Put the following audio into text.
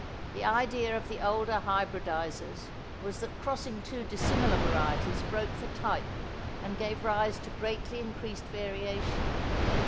The idea of the older hybridisers was that crossing two dissimilar varieties broke the type and gave rise to greatly increased variation.